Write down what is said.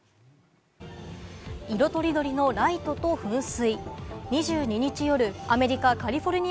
色とりどりのライトと噴水。